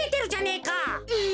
え。